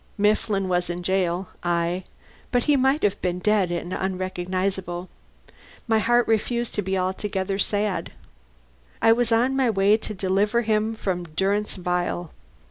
Mifflin was in jail; aye, but he might have been dead and unrecognizable! My heart refused to be altogether sad. I was on my way to deliver him from durance vile.